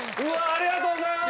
ありがとうございます。